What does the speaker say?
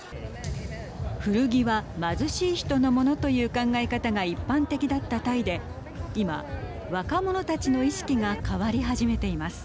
古着は貧しい人のものという考え方が一般的だったタイで今、若者たちの意識が変わり始めています。